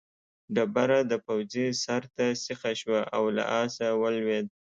ډبره د پوځي سر ته سیخه شوه او له آسه ولوېد.